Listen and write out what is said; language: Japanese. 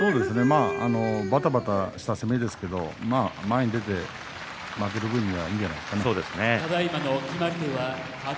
ばたばたした攻めですけども前に出て負ける分にはいいんじゃないですか。